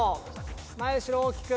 「前後ろ大きく！」